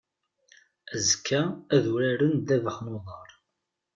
Azekka ad uraren ddabax n uḍar.